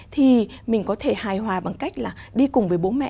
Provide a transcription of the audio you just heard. thì mình có thể hài hòa bằng cách là đi cùng với bố mẹ